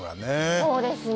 そうですね